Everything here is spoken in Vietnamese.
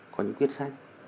có những quyết sách